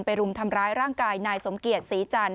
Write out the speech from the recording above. รุมทำร้ายร่างกายนายสมเกียจศรีจันท